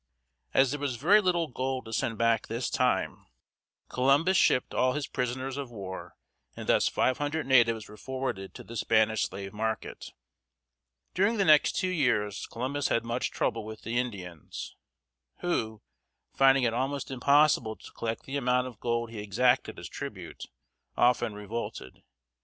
As there was very little gold to send back this time, Columbus shipped all his prisoners of war, and thus five hundred natives were forwarded to the Spanish slave market. During the next two years Columbus had much trouble with the Indians, who, finding it almost impossible to collect the amount of gold he exacted as tribute, often revolted.